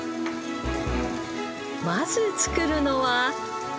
まず作るのは。